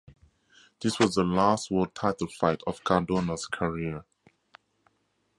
This was the last world title fight of Cardona's career.